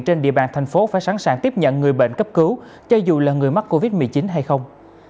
trên địa bàn thành phố phải sẵn sàng tiếp nhận người bệnh cấp cứu cho dù là người mắc covid một mươi chín hay không